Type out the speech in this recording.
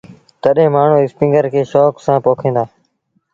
تڏهيݩ مآڻهوٚٚݩ اسپيٚنگر کي شوڪ سآݩ پوکيݩ دآ۔